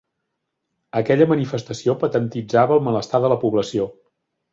Aquella manifestació patentitzava el malestar de la població.